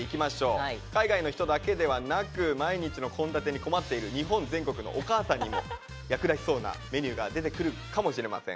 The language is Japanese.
海外の人だけではなく毎日の献立に困っている日本全国のお母さんにも役立ちそうなメニューが出てくるかもしれません。